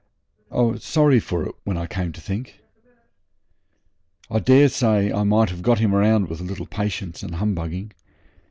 I was sorry for it when I came to think. I daresay I might have got him round with a little patience and humbugging.